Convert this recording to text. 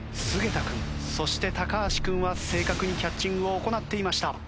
菅田君そして橋君は正確にキャッチングを行っていました。